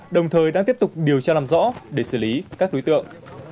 đồng thời đang tiếp tục điều tra làm rõ để xử lý các đối tượng